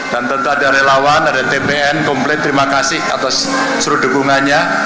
dan tentu ada relawan ada tpn komplit terima kasih atas seluruh dukungannya